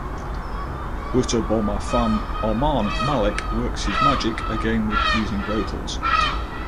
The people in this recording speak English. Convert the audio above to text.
Butta Bomma fame Armaan Malik works his magic again with pleasing vocals.